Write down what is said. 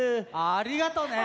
ありがとうね。